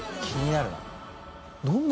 気になるな。